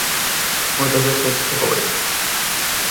Moitas veces é pobreza.